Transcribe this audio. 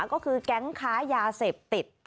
ก็คือแก๊งค้ายาเสพติด